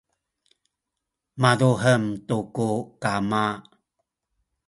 mazuhem tu ku kama